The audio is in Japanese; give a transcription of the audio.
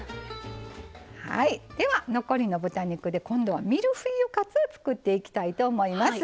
残りの豚肉で今度はミルフィーユカツ作っていきたいと思います。